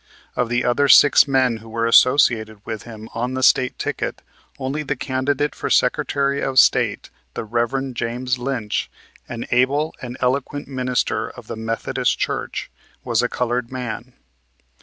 Of the other six men who were associated with him on the state ticket, only the candidate for Secretary of the State, the Reverend James Lynch, an able and eloquent minister of the Methodist Church, was a colored man.